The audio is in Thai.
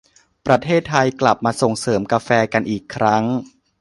ประเทศไทยกลับมาส่งเสริมกาแฟกันอีกครั้ง